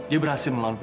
iya gitu gitu aja